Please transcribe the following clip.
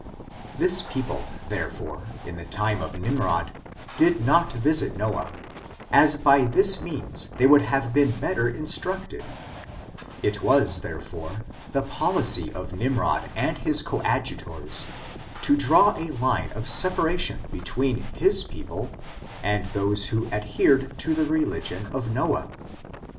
This people, therefore, in the time of Nimrod, did not visit Noah, as by this means they would have been better instructed ; it was, therefore, the policy of Nimrod and his coadjutors, to draw a line of separa tion between his people and those who adhered to the religion of Noah.